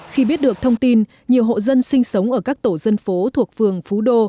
khi biết được thông tin nhiều hộ dân sinh sống ở các tổ dân phố thuộc phường phú đô